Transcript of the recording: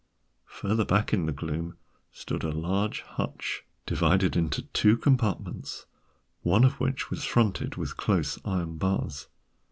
Further back in the gloom stood a large hutch, divided into two compartments, one of which was fronted with close iron bars.